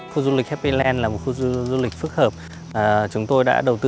khu du lịch happyland là một khu du lịch phức hợp